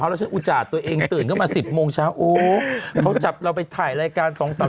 อุจจาตัวเองตื่นเข้ามาสิบโมงเช้าโอ้เขาจับเราไปถ่ายรายการสองสาม